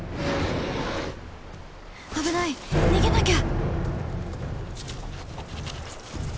「危ない逃げなきゃ！」。